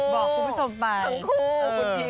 บอกคุณผู้ชมไป